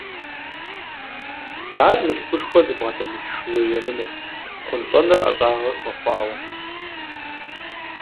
Ар мылъкушхуэ зыбгъэдэмылъ шууей емынэт, хъунщӀэныр ӀэщӀагъэ хуэхъуауэ.